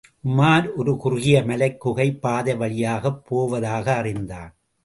உமார் ஒரு குறுகிய மலைக் குகை பாதை வழியாகப் போவதாக அறிந்தான்.